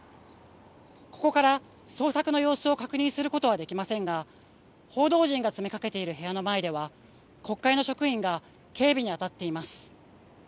ここから捜索の様子を確認することはできませんが報道陣が詰めかけている部屋の前では国会の職員が警備にあたっています。